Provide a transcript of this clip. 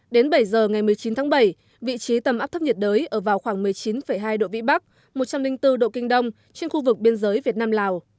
đến bảy giờ ngày một mươi chín tháng bảy vị trí tâm áp thấp nhiệt đới ở vào khoảng một mươi chín hai độ vĩ bắc một trăm linh bốn độ kinh đông trên khu vực biên giới việt nam lào